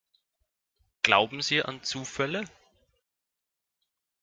Glauben Sie an Zufälle?